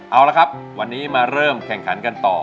เอาละครับวันนี้มาเริ่มแข่งขันกันต่อ